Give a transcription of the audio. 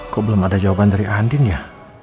kok belum ada jawaban dari ahan din ya